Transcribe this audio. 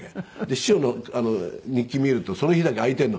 師匠の日記見るとその日だけ空いてるの。